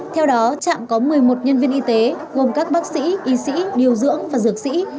theo đó trạm có một mươi một nhân viên y tế gồm các bác sĩ y sĩ điều dưỡng và dược sĩ